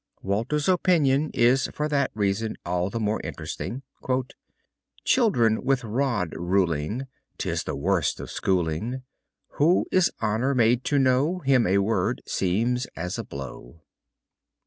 Walter's opinion is for that reason all the more interesting: "Children with rod ruling 'Tis the worst of schooling. Who is honor made to know. Him a word seems as a blow."